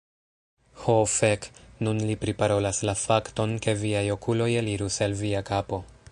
Ho fek. Nun li priparolas la fakton, ke viaj okuloj elirus el via kapo.